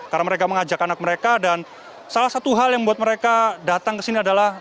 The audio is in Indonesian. karena mereka mengajak anak mereka dan salah satu hal yang buat mereka datang kesini adalah